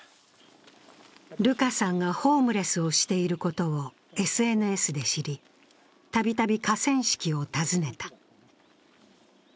ルカさんがホームレスをしていることをＳＮＳで知り、たびたび河川敷を訪ねた。